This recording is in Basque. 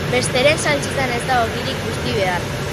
Besteren saltsetan ez da ogirik busti behar.